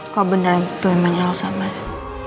kok beneran itu emang elsa mas